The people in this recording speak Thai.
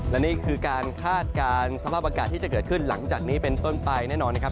และนี่คือการคาดการณ์สภาพอากาศที่จะเกิดขึ้นหลังจากนี้เป็นต้นไปแน่นอนนะครับ